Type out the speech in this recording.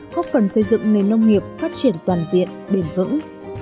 góp phần xây dựng nền nông nghiệp phát triển toàn diện bền vững